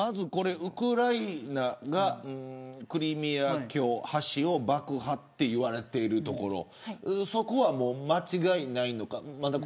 ウクライナがクリミア橋を爆破って言われているところそこは間違いないのか。